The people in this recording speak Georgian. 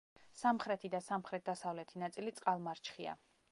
სამხრეთი და სამხრეთ-დასავლეთი ნაწილი წყალმარჩხია.